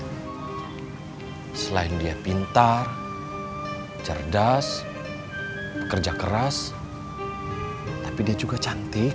karena selain dia pintar cerdas bekerja keras tapi dia juga cantik